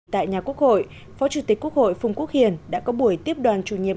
tại nhà quốc hội phó chủ tịch quốc hội phùng quốc hiền đã có buổi tiếp đoàn chủ nhiệm